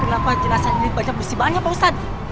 kenapa jenazah ini banyak banyak pak ustadz